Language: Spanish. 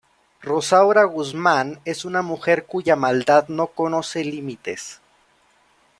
Rosaura Guzmán es una mujer cuya maldad no conoce límites.